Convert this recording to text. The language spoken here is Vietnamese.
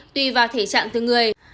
tuy vào thể trạng từ người